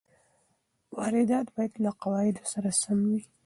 واردات باید له قواعدو سره سم وي.